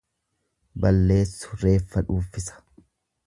Balleessu reeffa dhuuffisa.